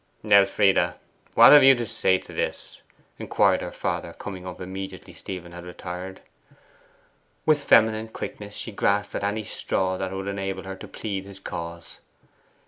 'Elfride, what have you to say to this?' inquired her father, coming up immediately Stephen had retired. With feminine quickness she grasped at any straw that would enable her to plead his cause.